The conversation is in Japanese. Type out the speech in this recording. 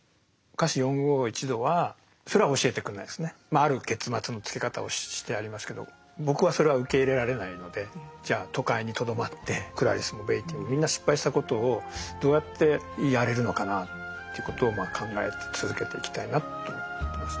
ある結末のつけ方をしてありますけど僕はそれは受け入れられないのでじゃあ都会にとどまってクラリスもベイティーもみんな失敗したことをどうやってやれるのかなということを考え続けていきたいなと思ってますね。